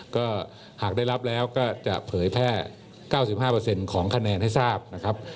ก็หากได้รับแล้วก็จะเผยแพร่๙๕ของคะแนนให้ทราบนะครับ